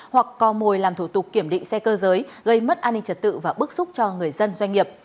hoặc co mồi làm thủ tục kiểm định xe cơ giới gây mất an ninh trật tự và bức xúc cho người dân doanh nghiệp